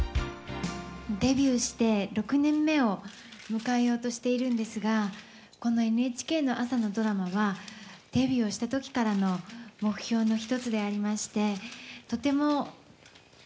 デビューして６年目を迎えようとしているんですがこのＮＨＫの朝のドラマはデビューをした時からの目標の一つでありましてとてもうれしいです。